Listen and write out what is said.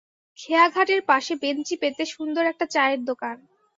খেয়াঘাটের পাশে বেঞ্চি পেতে সুন্দর একটা চায়ের দোকান।